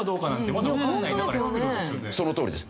そのとおりです。